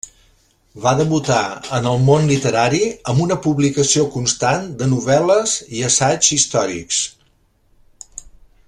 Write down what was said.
Va debutar en el món literari amb una publicació constant de novel·les i assaigs històrics.